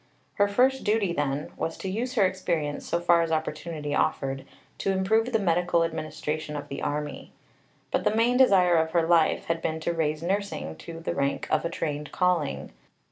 Her first duty, then, was to use her experience, so far as opportunity offered, to improve the medical administration of the Army. But the main desire of her life had been to raise nursing to the rank of a trained calling.